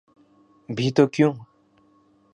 بھی تو کیوں؟